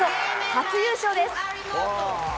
初優勝です。